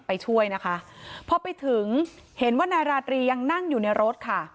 ไปช่วยนะคะพอไปถึงเห็นว่านายราตรียังนั่งอยู่ในรถค่ะ